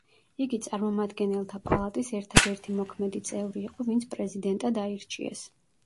იგი წარმომადგენელთა პალატის ერთადერთი მოქმედი წევრი იყო, ვინც პრეზიდენტად აირჩიეს.